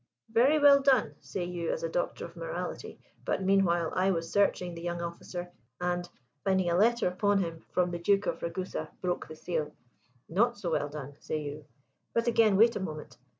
'Very well done,' say you as a Doctor of Morality. But meanwhile I was searching the young officer, and finding a letter upon him from the Duke of Ragusa, broke the seal. 'Not so well done,' say you: but again wait a moment.